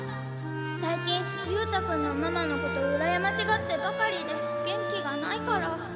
最近勇太君のママのことうらやましがってばかりで元気がないから。